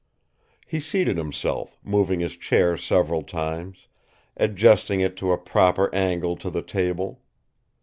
He seated himself, moving his chair several times, adjusting it to a proper angle to the table.